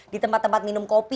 di tempat tempat minum kopi